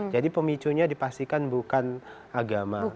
jadi pemicunya dipastikan bukan agama